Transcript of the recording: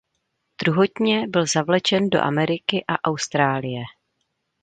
Druhotně byl zavlečen do Ameriky a Austrálie.